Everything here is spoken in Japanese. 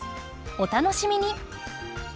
お楽しみに。